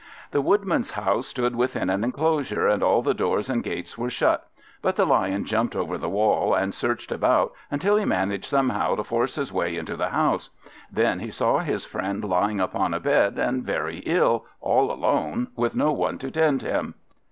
The Woodman's house stood within an enclosure, and all the doors and gates were shut; but the Lion jumped over the wall, and searched about, until he managed somehow to force his way into the house. Then he saw his friend lying upon a bed, and very ill, all alone, with no one to tend him.